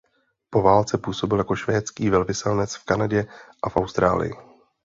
Po válce působil jako švédský velvyslanec v Kanadě a v Austrálii.